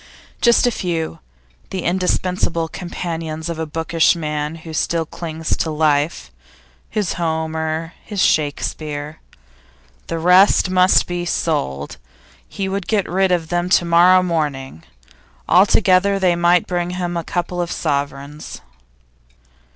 Just a few, the indispensable companions of a bookish man who still clings to life his Homer, his Shakespeare The rest must be sold. He would get rid of them to morrow morning. All together they might bring him a couple of sovereigns.